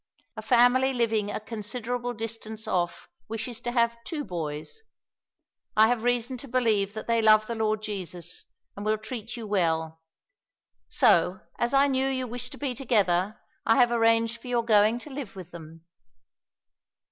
"A family living a considerable distance off wishes to have two boys. I have reason to believe that they love the Lord Jesus, and will treat you well. So, as I knew you wished to be together, I have arranged for your going to live with them."